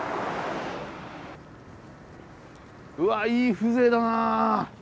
うわいい風情だな。